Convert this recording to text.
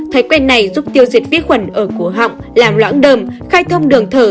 thói quen này giúp tiêu diệt viết khuẩn ở cổ họng làm loãng đờm khai thông đường thở